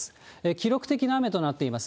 記録的な雨となっています。